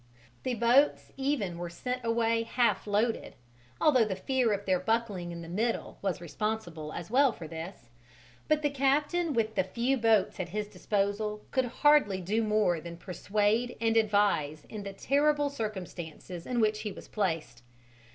The boats even were sent away half loaded, although the fear of their buckling in the middle was responsible as well for this, but the captain with the few boats at his disposal could hardly do more than persuade and advise in the terrible circumstances in which he was placed.